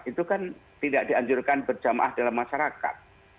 itu kan tidak dianjurkan berjamaah dalam masyarakat